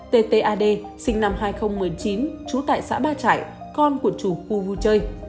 ttad sinh năm hai nghìn một mươi chín chú tại xã ba trại con của chủ khu vui chơi